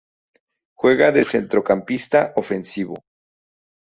Juega de centrocampista ofensivo.